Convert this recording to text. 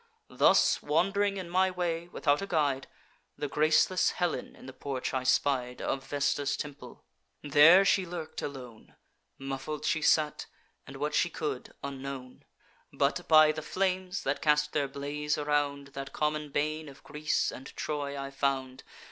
Thus, wand'ring in my way, without a guide, The graceless Helen in the porch I spied Of Vesta's temple; there she lurk'd alone; Muffled she sate, and, what she could, unknown: But, by the flames that cast their blaze around, That common bane of Greece and Troy I found.